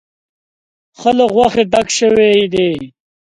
ښه له غوښې ډک شوی دی.